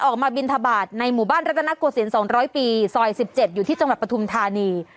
ออกมาบินทบาทในหมู่บ้านรัตนโกศิลป์๒๐๐ปีซอย๑๗อยู่ที่จังหวัดปฐุมธานี